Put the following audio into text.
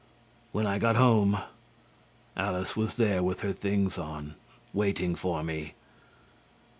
"When I got home, Alice was there with her things on, waiting for me.